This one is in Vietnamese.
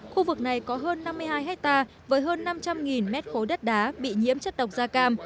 khu vực này có hơn năm mươi hai hectare với hơn năm trăm linh mét khối đất đá bị nhiễm chất độc da cam